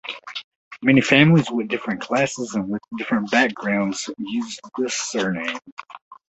Many families from different classes and with different background used this surname.